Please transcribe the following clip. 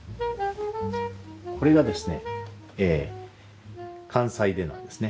これがですね関西手なんですね。